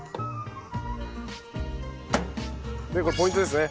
でこれポイントですね。